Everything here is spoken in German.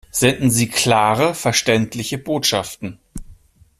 Senden Sie klare, verständliche Botschaften!